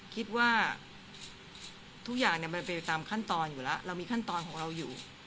คิดว่าทุกอย่างมันเป็นไปตามขั้นตอนอยู่แล้วเรามีขั้นตอนของเราอยู่